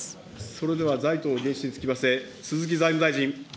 それでは財投につきまして、鈴木財務大臣。